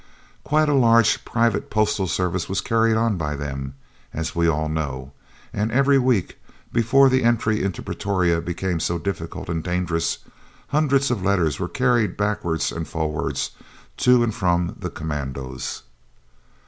Quite a large private postal service was carried on by them, as we all know, and every week, before the entry into Pretoria became so difficult and dangerous, hundreds of letters were carried backwards and forwards, to and from the commandos.